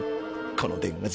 この電話